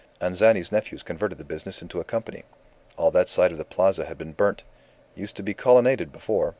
Anzani's nephews converted the business into a company. All that side of the Plaza had been burnt; used to be colonnaded before.